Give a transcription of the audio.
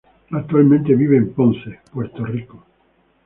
Actualmente vive en Ponce, Puerto Rico.